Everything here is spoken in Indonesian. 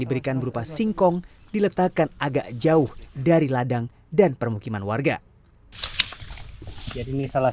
diberikan berupa singkong diletakkan agak jauh dari ladang dan permukiman warga jadi ini salah